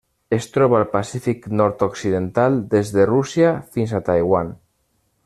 Es troba al Pacífic nord-occidental: des de Rússia fins a Taiwan.